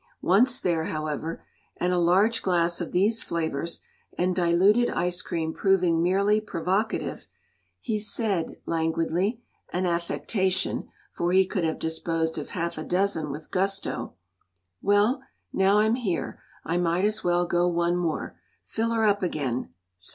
Once there, however, and a large glass of these flavors and diluted ice cream proving merely provocative, he said, languidly an affectation, for he could have disposed of half a dozen with gusto: “Well, now I'm here, I might as well go one more. Fill 'er up again.